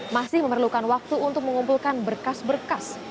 masih memerlukan waktu untuk mengumpulkan berkas berkas